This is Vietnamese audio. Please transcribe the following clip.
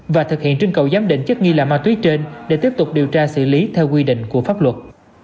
và thực hiện trưng cầu giám định chất nghi là ma túy trên để tiếp tục điều tra xử lý theo quy định của pháp luật